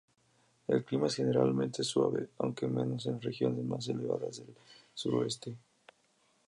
El clima es generalmente suave, aunque menos en las regiones más elevadas del suroeste.